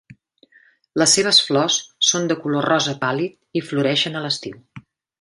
Les seves flors són de color rosa pàl·lid i floreixen a l'estiu.